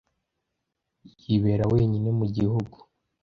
Yibera wenyine mu gihugu.